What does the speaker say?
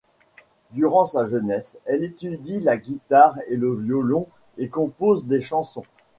Durant sa jeunesse, elle étudie la guitare et le violon et compose des chansons.